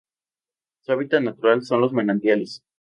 Su hábitat natural son los manantiales.